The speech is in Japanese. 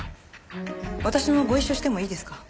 私もご一緒してもいいですか？